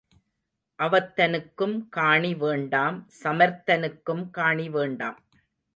அவத்தனுக்கும் காணி வேண்டாம் சமர்த்தனுக்கும் காணி வேண்டாம்.